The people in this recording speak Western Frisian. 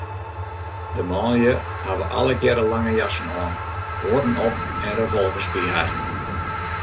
De manlju hawwe allegearre lange jassen oan, huodden op en revolvers by har.